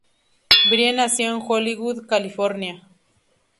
Brie nació en Hollywood, California.